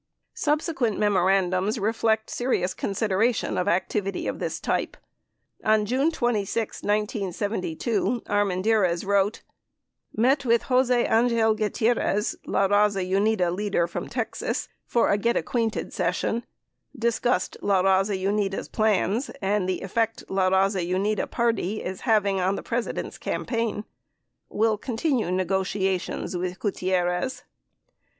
Subsequent memorandums reflect serious consideration of activity of this type. On J une 26, 1972, Armendariz wrote : Met with Jose Angel Gutierrez, La Baza Unida leader from Texas, for a "get acquainted" session; discussed La Baza Unida's plans and the effect La Baza Unida Party is having on the President's campaign. Will continue negotia tions with Gutierrez.